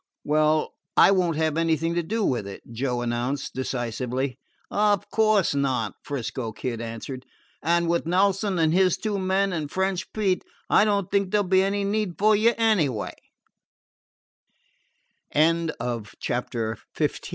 "Well, I won't have anything to do with it," Joe announced decisively. "Of course not," 'Frisco Kid answered. "And with Nelson and his two men an' French Pete, I don't think there 'll be any need for you anyw